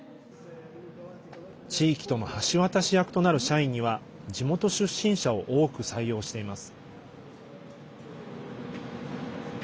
地域との橋渡し役となる社員には地元出身者を多く採用しています。